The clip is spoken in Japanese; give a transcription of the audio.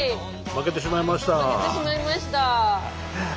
負けてしまいました。